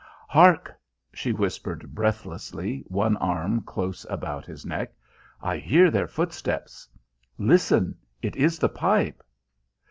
"Hark!" she whispered breathlessly, one arm close about his neck. "I hear their footsteps. Listen! It is the pipe!"